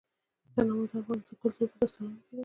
تنوع د افغان کلتور په داستانونو کې راځي.